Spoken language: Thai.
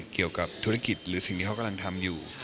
เกี่ยวกับธุรกิจหรือสิ่งที่เขากำลังทำอยู่